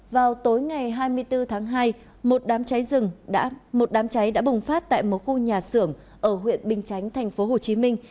vào tối ngày hai mươi bốn tháng hai một đám cháy đã bùng phát tại một khu nhà xưởng ở huyện bình chánh thành phố hồ chí minh